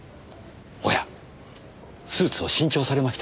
おやスーツを新調されましたか？